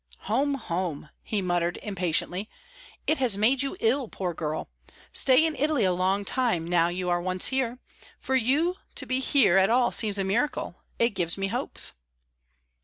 "Home, home!" he muttered, impatiently. "It has made you ill, poor girl. Stay in Italy a long time, now you are once here. For you to be here at all seems a miracle; it gives me hopes."